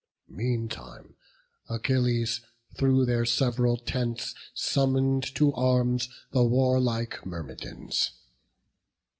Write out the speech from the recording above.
Meantime Achilles, through their several tents, Summon'd to arms the warlike Myrmidons.